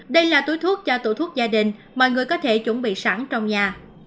đây là túi thuốc cho tủ thuốc gia đình mọi người có thể chuẩn bị sẵn trong nhà